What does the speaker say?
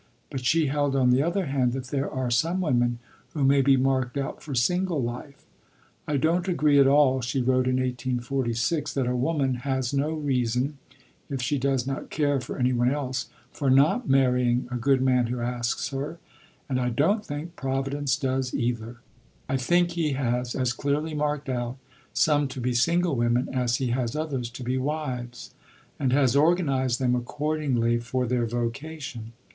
But she held, on the other hand, that there are some women who may be marked out for single life. "I don't agree at all (she wrote in 1846) that a woman has no reason (if she does not care for any one else) for not marrying a good man who asks her, and I don't think Providence does either. I think He has as clearly marked out some to be single women as He has others to be wives, and has organized them accordingly for their vocation.